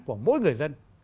của mỗi người dân